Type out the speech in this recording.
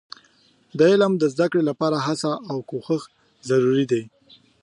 د علم د زده کړې لپاره هڅه او کوښښ ضروري دي.